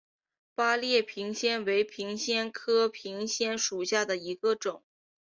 八列平藓为平藓科平藓属下的一个种。